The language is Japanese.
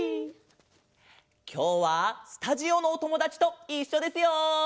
きょうはスタジオのおともだちといっしょですよ！